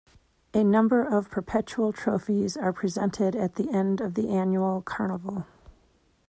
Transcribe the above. A number of perpetual trophies are presented at the end of the annual carnival.